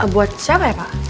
buat siapa ya pak